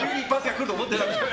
来ると思ってなかった。